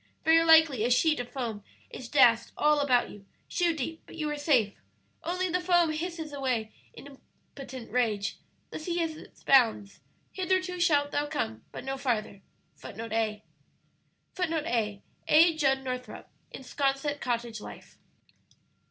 Very likely a sheet of foam is dashed all around you, shoe deep, but you are safe only the foam hisses away in impotent rage. The sea has its bounds; 'hitherto shalt thou come, but no farther.'"[A] [Footnote A: A. Judd Northrup, in "Sconset Cottage Life."